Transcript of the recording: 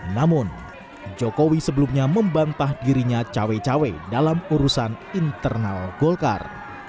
namun jokowi sebelumnya membantah dirinya cawe cawe dalam urusan internal golkar